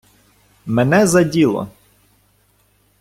Мене за діло.